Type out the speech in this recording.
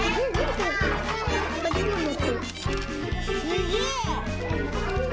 すげえ！